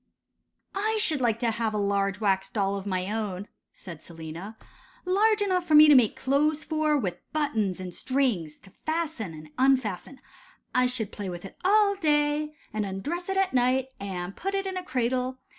* 'I should like to have a large wax doll of my own,' said Selina; 'large enough for me to make clothes for, with buttons and strings, to fasten and unfasten: I should play with it all day, and undress it at night, and put it in a cradle.